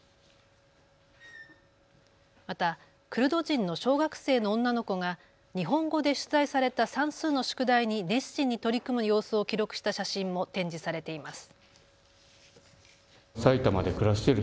またクルド人の小学生の女の子が日本語で出題された算数の宿題に熱心に取り組む様子を記録した写真も展示されています。